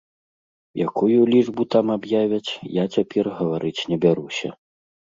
Якую лічбу там аб'явяць, я цяпер гаварыць не бяруся.